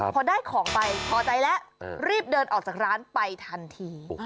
พอได้ของไปพอใจแล้วรีบเดินออกจากร้านไปทันที